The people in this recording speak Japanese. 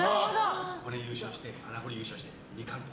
これで優勝して穴掘り優勝して、２冠を。